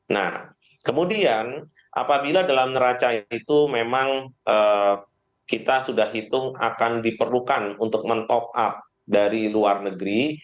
nah kemudian apabila dalam neraca itu memang kita sudah hitung akan diperlukan untuk men top up dari luar negeri